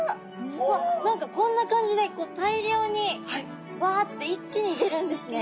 わっ何かこんな感じで大量にわって一気に出るんですね。